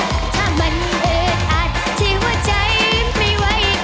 ถ้ามันอึดอัดที่หัวใจไม่ไหว